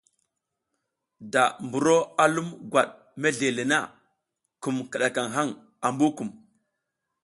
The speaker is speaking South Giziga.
Da buro a lum gwat mesle le na, kum kiɗakaŋ haŋ ambu kum.